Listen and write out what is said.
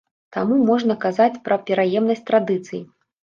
Таму можна казаць пра пераемнасць традыцый.